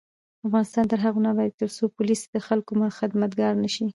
افغانستان تر هغو نه ابادیږي، ترڅو پولیس د خلکو خدمتګار نشي.